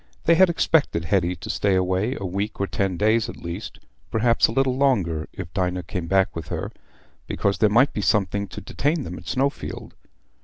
They had expected Hetty to stay away a week or ten days at least, perhaps a little longer if Dinah came back with her, because there might then be something to detain them at Snowfield.